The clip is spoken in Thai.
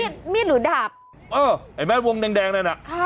มีดมีดหรือดาบเออไอ้แม่วงแดงแดงนั่นอ่ะค่ะ